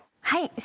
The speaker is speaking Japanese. はい。